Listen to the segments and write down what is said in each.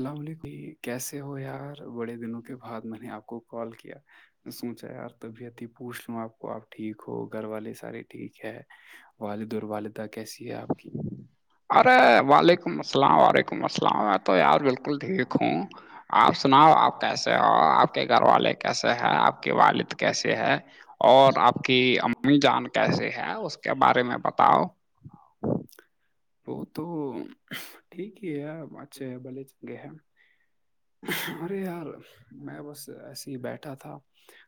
اللام علیکم کیسے ہو یار بڑے دنوں کے بعد میں نے آپ کو کال کیا سوچا یار توب اتیھی پوچھ لوں آپ کو آپ ٹھیک ہو گھر والے سارے ٹھیک ہے والد اور والدہ کیسی ہے آپ کی ارے وعلیکم السلام و علیکم السلام تو یار بالکل ٹھیک ہوں آپ سناؤ آپ کیسے ہو آپ کے گھر والے کے کیسے ہے آپ کے والد کیسے ہے اور آپ کی امی جان کیسے ہے اس کے بارے میں بتاؤ وہ تو ٹھیک ہی ہے اچھا بلے گ ہے ارے یار میں بس ایسے ہی بیٹھا تھا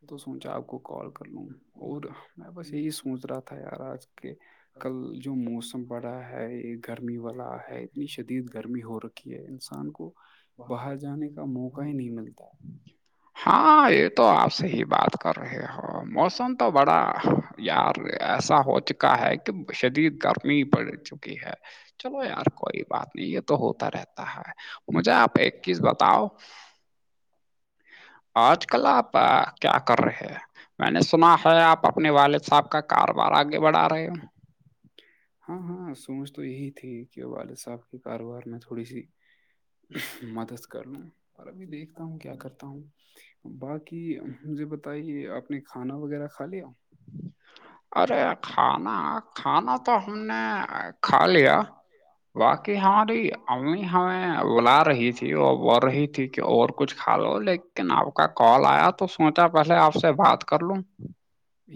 تو سوچا آپ کو کال کر لوں اور میں بس یہی سوچ رہا تھا یار آج کہ کل جو موسم بڑا ہے یہ گرمی والا ہے اتنی شدید گرمی ہو رکھی ہے انسان کو باہر جانے کا موقع ہی نہیں ملتا ہے ہاں یہ تو آپ سے ہی بات کر رہے ہو موسم تو بڑا یار ایسا ہو چکا ہے کہ شدید گرمی پڑ چکی ہے چلو یار کوئی بات نہیں یہ تو ہوتا رہتا ہے مجھے آپ ایک چیز بتاؤ آج کل آپ کیا کر رہے ہیں میں نے سنا ہے آپ اپنے والد صاحب کا کاروبار آگے بڑھا رہے ہو ج [inaudible] ہاں ہاں سوچ تو یہی تھی کہ والد صاحب کے کاروبار میں تھوڑی سی مدد کر لوں پر ابھی دیکھتا ہوں کیا کرتا ہوں باقی مجھے بتائیے آپ نے کھانا وغیرہ کھا لیا ارے کھانا کھانا تو ہم نے کھا لیا باقی ہماری امی ہمیں بلا رہی تھی اور بڑ رہی تھی اور کچھ کھا لو لیکن آپ کا کال آیا تو سوچا پہلے آپ سے بات کر لوں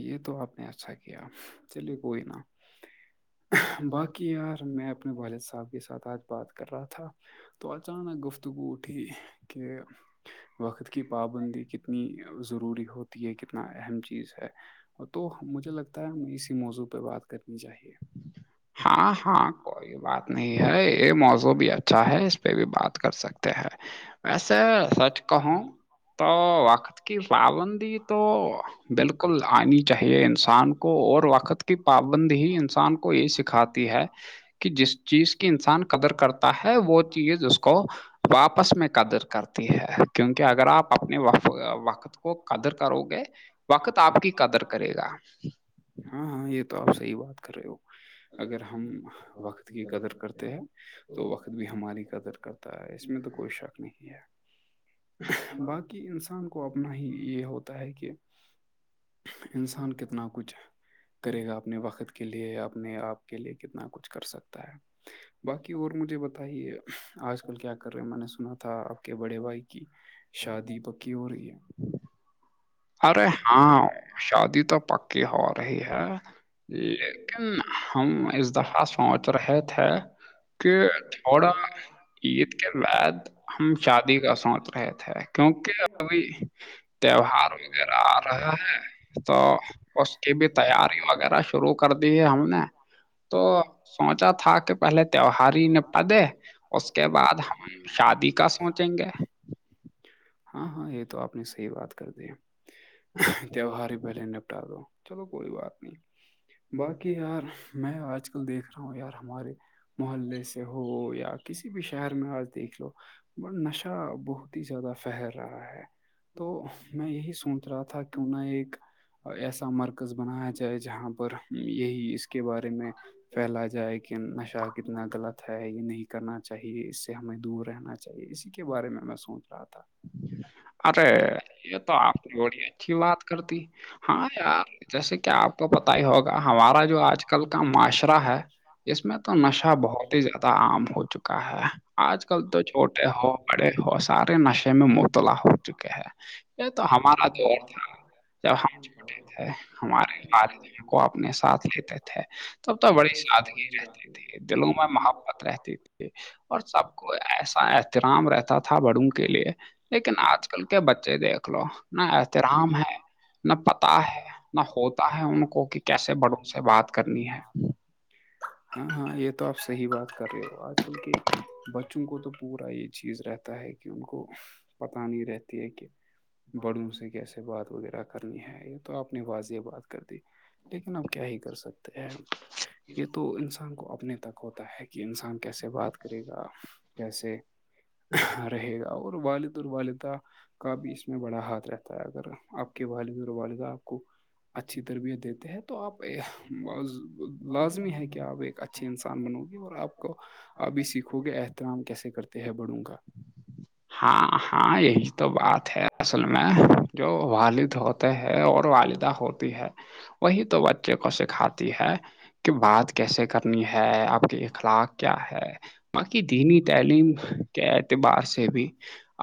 یہ تو آپ نے اچھا کیا چلیے کوئی نا باقی یار میں اپنے والد صاحب کے ساتھ آج بات کر رہا تھا تو اچانک گفتگو اٹھی کہ وقت کی پابندی کتنی ضروری ہو یہ کتنا اہم چیز ہے تو مجھے لگتا ہے اسی موضوع پہ بات کرنی چاہیے ہاں ہاں کوئی بات نہیں ہے یہ موزو بھی اچھا ہے اس پہ بھی بات کر سکتے ہیں ویسے سچ کہوں تو وقت کی پابندی تو بالکل آنی چاہیے انسان کو اور وقت کی پابندی ہی نہیں انسان کو یہ سکھا آتی ہے کہ جس چیز کی انسان قدر کرتا ہے کو وہ ہوتی ہے چیز اس کو واپس میں قدر کرتی ہے کیونکہ اگر آپ اپنے وقت کو قدر کرو گے وقت آپ کی قدر کرے گا ہاں ہاں یہ تو آپ صحی بات کر رہے ہو اگر ہم وقت کی قدر کرتے ہیں تو وقت بھی ہماری قدر کرتا ہے اس میں تو کوئی شک باقی انسان کو اپنا ہی یہ ہوتا ہے کہ انسان کتنا کچھ ہے کرے گا اپنے وقت کے لیےیا اپنے آپ کے لیے کتنا کچھ کر سکتا ہے باقی اور مجھے بتائیے آج کل کیا کر رہے میں نے سنا تھا تھا آپ کے بڑے بھائی کی شادی پکی ہو رہی ہے ارے ہاں شادی تو پکی ہو رہی ہے لیکن ہم اس دف سوچ رہے تھے کہ تھوڑا عید کے بعد ہم شادی کا سوچ رہے تھے کیونکہ ابھی تہوہار ہوا اں ہاںاں تو اس کی بھی تیاری وغیرہ شروع کر دی ہے ہم نے تو سوچا تھا کہ پہلے تیواری ہی ن پ دے اس کے بعد شادی کا سوچیں گے ہاں ہاں یہ تو آپ نے صحی بات کر د تہوہار پہلے نپٹا دو چلو کوئی بات نہیں باقی یار میں آج ک دیکھ رہا ہوں یار ہمارے محلے سے ہو یا کسی بھی شہر میں آج دیکھ لو ب نشہ بہت ہی زیادہ پہر رہا ہے تو میں یہی سوچ رہا تھا کیوں نہ ایک ایسا مرکز بنایا جائے جہاں پر یہی اس کے بارے میں پھیلا جائے کہ نشہ کے کتنا غلط ہے یہ نہیں کرنا چاہیے اس سے ہمیں دور رہنا چاہیے اسی کے بارے میں میں سوچ رہا تھا ارے اے یہ تو آپ نے ہم ب بڑی اچھی چم آ بات کر دی ہاں یار جیسے کہ آپ کو پتہ ہی ہوگا ہمارا آپتاار جو آج کل کا معاشرہ ہے ہش اس میں تو نشہ بہت ہی زیادہ عام ہو چکا ہے آج کل تو چھوٹے ہو بڑے ہو سارے نشے میں مبتلا ہو چکے ہیں تو ہمارا دور جب ہمورے ہمارے ے والد دن کو ہمارے اپنے ساتھ لیتے تھے ساتھ تب تو بڑی سادگی رہتے تھے دلوں میں محبت رہتی تھی اور سب کو ایسا احترام رہتا تھا بڑوں کے لیے لیکن آج کل کے بچے دیکھ لو نہ احترام ہے نہ پتا ہے نہ ہوتا ہے ان کو کہ کیسے بڑوں سے بات کرنی ہے ہاں ہاں یہ تو آپ صحیح بات کر رہے ہو آج کل کے بچوں کو تو پورا یہ چیز رہتا ہے کہ ان کو پت نہیں رہتی ہے کہ بڑوں سے کیسے بات وغیرہ کرنی ہے یہ تو آپ نے واضح بات کر دی لیکن اب کیا ہی کر سکتے ہیں یہ تو انسان کو اپنے تک ہوتا ہے کہ انسان کیسے بات کرے گا کیسے رہے گا اور والد اور والدہ کا بھی اس میں بڑا ہاتھ رہتا ہے اگر آپ کے والد اور والدہ آپ کو اچھی تربیت دیتے ہیں تو آپ لازمی ہے کہ آپ اچھے انسان بنو گے اور آپ کو ابھی سیکھو گے احترام کیسے کرتے ہیں بڑوں گا ہاں ہاں یہی تو بات ہے اصل میں جو والد ہوتے ہیں اور والدہ ہوتی ہے وہی تو بچے کو سکھاتی ہے کہ بات کیسے کرنی ہے آپ کے بات اخلاق کیا ہے باقی دینی تعلیم کے اعتبار سے بھی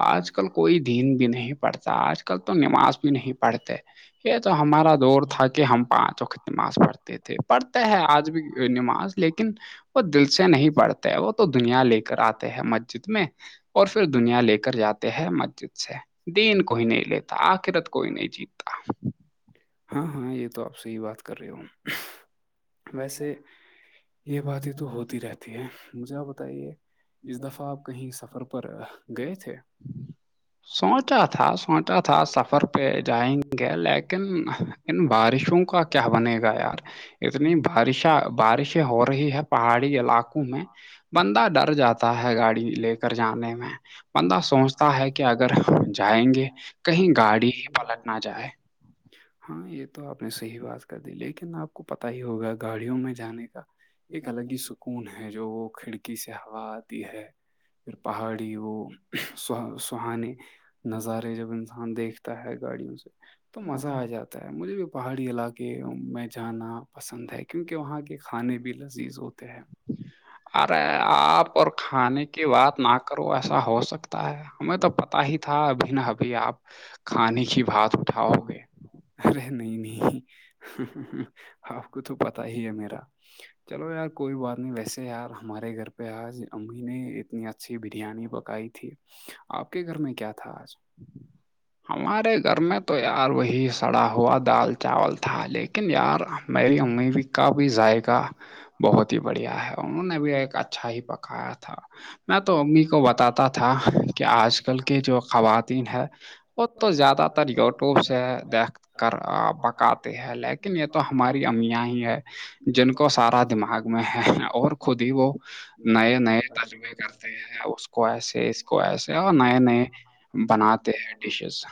آج کل کوئی دین بھی نہیں پڑتا آج کل تو نماز بھی نہیں پڑھتے یہ تو ہمارا دور تھا کہ ہم پانچ وقت نماز پڑھتے تھے پڑھتے ہے آج بھی نماز لیکن وہ دل سے نہیں پڑھتا وہ تو دنیا لے کر آتے ہے مسجد میں اور پھر دنیا لے کر جاتے ہے مسجد سے دین کوئی نہیں لیتا آخرت کوئی نہیں جیتتا ہاں ہاں یہ تو آپ سے ہی بات کر رہے ہو ہ ویسے یہ باتیں تو ہوتی رہتی ہے مجھے آپ بتائیے اس دفعہ آپ کہیں سفر پر گئے تھے سوچا تھا سوچا تھا سفر پہ جائیں گے لیکن پہاڑی ان بارشوں کا کیا بنے گا یار اتنی بارشاں بارش ہو رہی ہے پہاڑی علاقوں علاقے میں بندہ ڈر جاتا ہے گاڑی لے کر جانے میں بندہ سوچتا ہے کہ اگر جائیں گے کہیں گاڑی میں پلٹ نہ جائے گاڑی ہاں یہ تو آپ نے صحیح بات کر دی لیکن آپ کو پتا ہی ہوگا گاڑیوں میں جانے کا ایک الگ ہی سکون ہے ہے جو وہ کھڑکی سے ہوا آتی ہے پھر پہاڑی ہو سوہ سہانے نظارے جب انسان دیکھتا ہے گاڑیوں سے تو مزہ آ جاتا ہے مجھے بھی پہاڑی علاقے میں جانا پسند ہے کیونکہ وہاں کے کھانے بھی لذیذ ہوتے ہیں ارے آپ اور کھانے کی بات نہ کرو ایسا ہو سکتا ہے ہمیں تو پتا ہی تھا کھا تھا ابھی رہی ہیں نہا ابھی آپ کھانے کی بات اٹھاؤ گے اور- ارے نہیں نہیں آپ کو تو پتا ہی ہے میرا چلو یار کوئی بات نہیں ویسے یار ہمارے گھر پہ آج امی نے اتنی اچھی بریانی پکائی تھی آپ کے گھر میں کیا تھا آج [unintelligible] ہمارے گھر میں تو یار وہی سڑا ہوا دال چاول تھا لیکن یار میری امی بھی کا بھی ذائقہ بہت ہی بڑھیا ہے انہوں نے بھی ایک اچھا ہی پکایا تھا میں تو امی کو بتاتا تھا کہ آج کل کے جو خواتین ہے وہ تو زیادہ تر یوٹیوب سے دیکھ کر بکاتے ہیں لائک لیکن یہ تو ہماری امیاں ہی ہے جن کو سارا دماغ میں ہے اور خود ہی وہ نئے نئے تجرمے کرتے ہیں اس کو ایسے اس کو ایسے اور نئے نئے بناتے ہیں ڈشز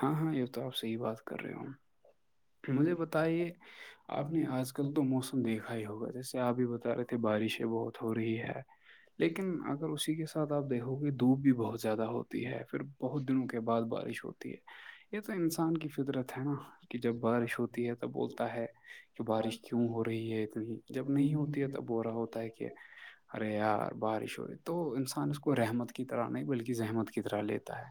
ہاں ہاں یی تو آپ صحی بات کر رہے ہو مجھے بتائیے آپ نے آج آج کل تو موسم دیکھا ہی ہوگا جیسے آپ بھی بتا رہے تھے بارشیں بہت ہو رہی ہے لیکن اگر اسی کے ساتھ آپ دیکھو گے دھوپ بھی بہت زیادہ ہوتی ہے پھر بہت دنوں کے بعد بارش ہوتی ہے یہ تو انسان کی فطرت ہے نا کہ جب بارش ہوتی ہے تو بولتا ہے کہ بارش کیوں ہو رہی ہے اتنی جب نہیں ہوتی ہے تب ہول رہا ہوتا ہے کہ ارے یار بارش ہو تو انسان اس کو رحمت کی طرح نہیں بلکہ زحمت کی طرح لیتا ہے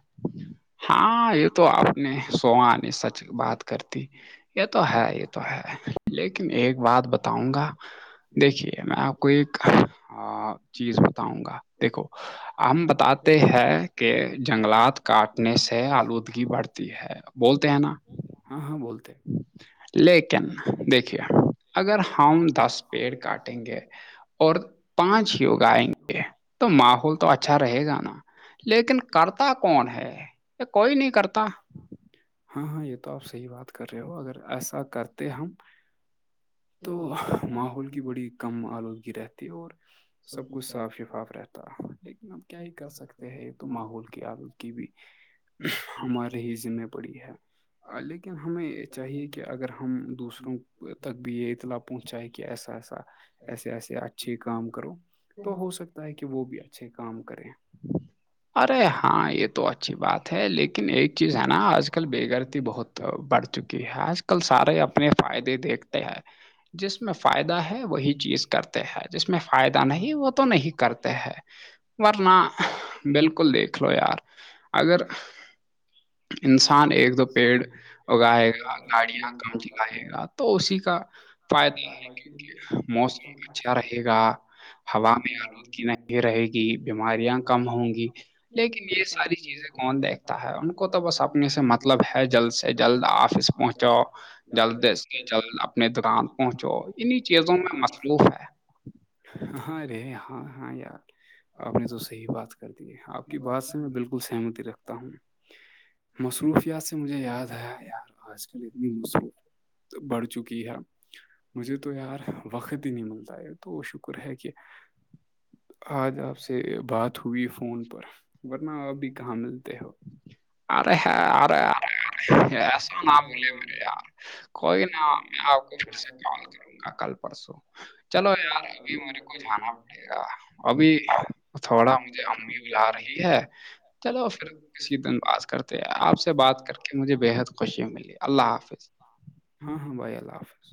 ہاں یہ تو آپ نے سووانی سچ بات کرتی یہ تو ہے یہ تو ہے لیکن ایک بات بتاؤں گا ہے دیکھیے میں آپ کو ایک چیز بتاؤں گا جنگلات دیکھو ہم بتاتے ہیں کہ جنگلات کا کاٹنے سے آلودگی آلودہ بڑھتی ہے بولتے ہیں نا ہاں ہاں بولتے لیکن دیکھیے اگر ہم دس پیڑ کاٹیں گے اور پانچ ہییوگ آئیں گے تو ماحول تو اچھا رہے گا نا لیکن کرتا کون ہے یہ کوئی نہیں کرتا ہاں ہاں یہ تو آپ صحیح بات کر رہے ہو اگر ایسا کرتے ہم تو ماحول کی بڑی کم آلودگی رہتی اور سب کچھ صاف شفاف رہتا لیکن اب کیا ہی کر سکتے تو ماحول کی عادت کی بھی ہمارے ہی ذمہ پڑی ہے لیکن ہمیں چاہیے کہ اگر ہم دوسروں تک بھی یہ اطلاع پہنچا ہے کہ ایسا ایسا ایسے ایسے اچھی کام کرو تو ہو سکتا ہے کہ وہ بھی اچھے کام کریں ارے ہاں یہ تو اچھی بات ہے لیکن ایک چیز ہے نا آج کل بے گھر پر بہت بڑھ چکی ہے آج کل سارے اپنے فائدے دیکھتے ہیں جس میں فائدہ ہے وہی چیز کرتے ہیں جس میں فائدہ نہیں وہ تو نہیں کرتے ہیں ورنہ [unintelligible] بالکل دیکھ لو یار اگر انسان ایک دو پیڑ اگائےائے گا گاڑیاں کم جلائے گا اسی کا فائدہ ہے موسم اچھا رہے گا [unintelligible] ہوا میں آلودگی نہیں رہے گی بیماریاں کم ہوں گی لیکن یہ ساری چیزیں کون دیکھتا ہے ان کو تو بس اپنے سے مطلب مطلب ہے جلد سے جلد آفس پہنچو جلد سے جلد اپنے دکان اپنے پہنچو انہیں چیزوں میں مصروف ہے ہاں ارے ہاں ہاں یار آپ نے تو صحیح بات کر دی ہے آپ کی بات سے میں بالکل سہمتی رکھتا ہوں مصروفیات سے مجھے یاد آیا یار آج کل اتنی مصروف بڑھ چکی ہے مجھے تو یار وقت ہی نہیں ملتا ہے تو شکر ہے کہ آج آپ سے بات ہو ہوی فون پر ورنہ آپ بھی کہا ارے ہے ارے ایسا ایسانا نہ بولے بول کوئی نا نہ میں آ آپ کے کو پھر سے سےال کال کروں گا کل پرسوں چلو یار ابھی میرے کو جانا ابھی تھوڑا مجھے رہی ہے چلو پھر کسی دن بات کرتے آپ سے بات کر کے مجھے بےحد خوشی ملی اللہ حافظ ہاں ہاں بھائی اللہ حافظ